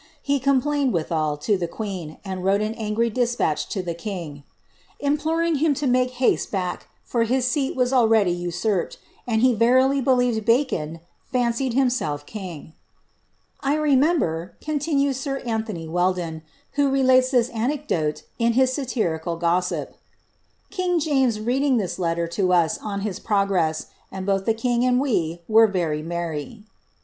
He complained, withal, to the qoeen, and wrote an angry despatch to the king, '^ imploring him to make haste back, for his seat was already usurped, and he verily believed Bacon fancied himself king. ^ I remember, continues sir Antony Weldon, who relates this anecdote in his satirical gossip, ^ king James reading this letter to us on his progress, and both the Idng and we were very merry.